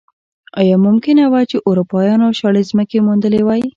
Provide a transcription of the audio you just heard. ایا ممکنه وه چې اروپایانو شاړې ځمکې موندلی وای.